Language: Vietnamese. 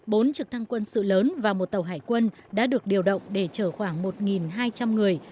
bốn trực thăng quân sự lớn và một tàu hải quân đã được điều động để chở khoảng một hai trăm linh người